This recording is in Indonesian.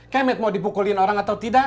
kemit mau dipukulin orang atau tidak